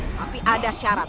tapi ada syarat